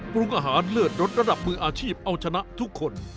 ปรุงอาหารเลิศรสระดับมืออาชีพเอาชนะทุกคน